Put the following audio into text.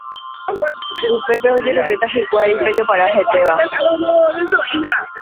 upépe ojeruréta hikuái pe jopara hetéva.